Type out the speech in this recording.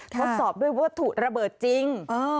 ทดสอบด้วยวัตถุระเบิดจริง